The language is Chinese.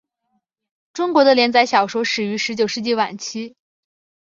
中国的连载小说始于十九世纪晚期。